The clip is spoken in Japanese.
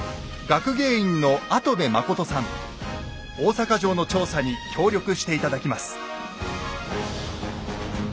大坂城の調査に協力して頂きます。